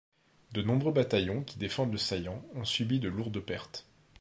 De nombreux bataillons qui défendent le saillant ont subi de lourdes pertes.